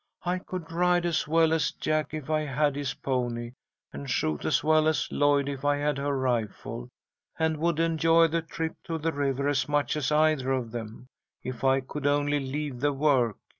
"I could ride as well as Jack if I had his pony, and shoot as well as Lloyd if I had her rifle, and would enjoy the trip to the river as much as either of them if I could only leave the work.